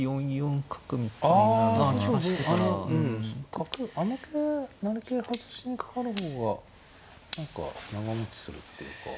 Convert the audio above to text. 角あの桂成桂外しにかかる方が何か長もちするっていうか。